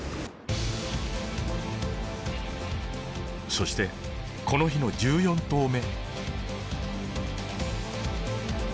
そしてこの日の１４投目。